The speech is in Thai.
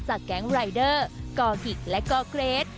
แก๊งรายเดอร์กอฮิตและกอเกรด